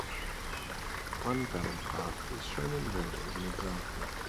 One valid path is shown in red as an example.